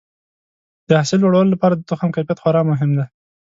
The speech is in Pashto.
د حاصل لوړولو لپاره د تخم کیفیت خورا مهم دی.